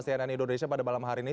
cnn indonesia pada malam hari ini